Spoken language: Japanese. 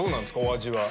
お味は。